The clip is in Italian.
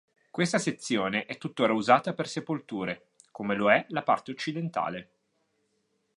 Questa sezione è tuttora usata per sepolture, come lo è la parte occidentale.